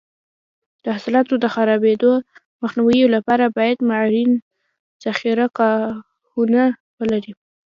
د حاصلاتو د خرابېدو مخنیوي لپاره باید معیاري ذخیره ګاهونه ولري.